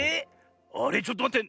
あれちょっとまって。